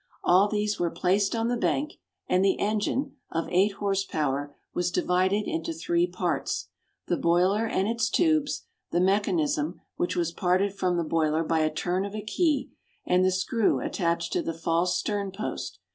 All these were placed on the bank ; and the engine, of 8 horse power, was divided into three parts : the boiler and its tubes ; the mechanism, which was parted from the boiler by a turn of a key ; and the screw attached to the false stern post.